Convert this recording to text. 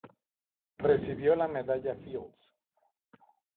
Recibió la Medalla Fields.